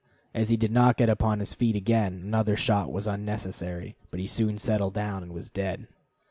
As he did not get upon his feet again, another shot was unnecessary, and he soon settled down and was dead.